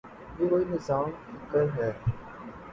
یہ کوئی نظام فکر ہے۔